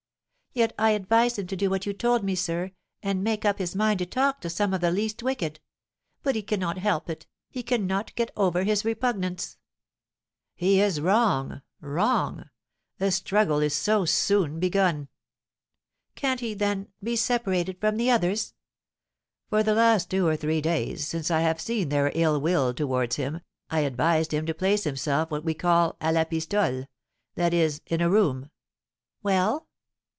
"Yet I advised him to do what you told me, sir, and make up his mind to talk to some of the least wicked! But he cannot help it, he cannot get over his repugnance." "He is wrong wrong! A struggle is so soon begun." "Can't he, then, be separated from the others?" "For the last two or three days, since I have seen their ill will towards him, I advised him to place himself what we call à la pistole, that is, in a room." "Well?"